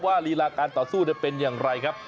ลีลาการต่อสู้เป็นอย่างไรครับ